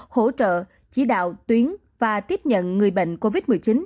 hỗ trợ chỉ đạo tuyến và tiếp nhận người bệnh covid một mươi chín